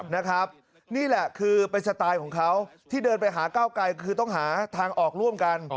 นี่แหละคือเป็นสไตล์ของเขาที่เดินไปหาก้าวไกลคือต้องหาทางออกร่วมกัน